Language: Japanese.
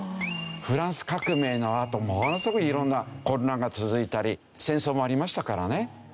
フランス革命のあとものすごいいろんな混乱が続いたり戦争もありましたからね。